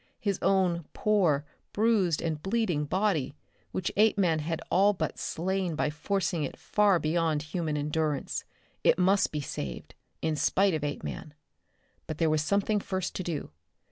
His own poor bruised and bleeding body, which Apeman had all but slain by forcing it far beyond human endurance. It must be saved, in spite of Apeman. But there was something first to do.